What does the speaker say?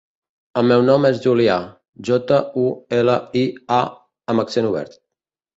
El meu nom és Julià: jota, u, ela, i, a amb accent obert.